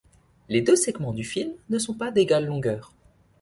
Les deux segments du film ne sont pas d'égale longueur.